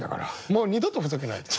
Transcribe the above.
もう二度とふざけないで。